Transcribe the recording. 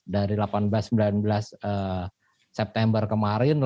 dari delapan belas sembilan belas september kemarin